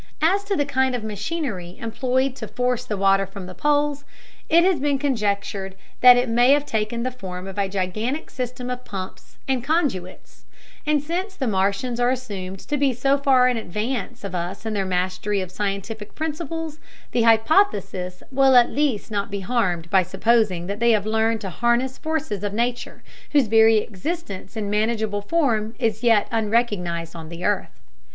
As to the kind of machinery employed to force the water from the poles, it has been conjectured that it may have taken the form of a gigantic system of pumps and conduits; and since the Martians are assumed to be so far in advance of us in their mastery of scientific principles, the hypothesis will at least not be harmed by supposing that they have learned to harness forces of nature whose very existence in a manageable form is yet unrecognized on the earth.